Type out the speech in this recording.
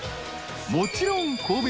［もちろん］